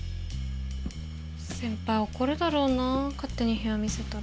先輩怒るだろうな勝手に部屋見せたら。